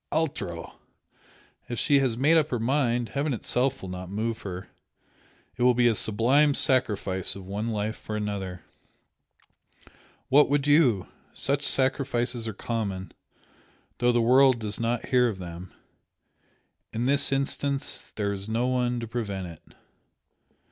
"Altro! If she has made up her mind, heaven itself will not move her! It will be a sublime sacrifice of one life for another, what would you? Such sacrifices are common, though the world does not hear of them. In this instance there is no one to prevent it."